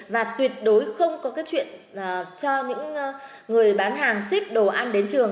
và tuyệt đối không có cái chuyện cho những người bán hàng ship đồ ăn đến trường